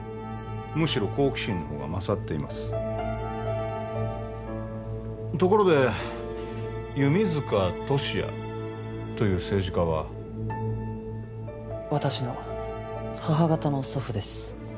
むしろ好奇心の方が勝っていますところで弓塚敏也という政治家は私の母方の祖父です